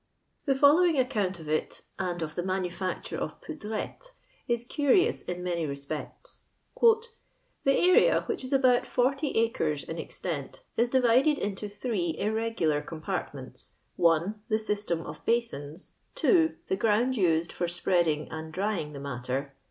The following account of it, and of the manufacture of poudrette, is eurious in mnny respects :—" The areft, which is ahout 40 acres in ex tent, is divided iulo three irregular oomparl ments :—" 1. The system of basins. 2. The ground used for spreading and drying the matter.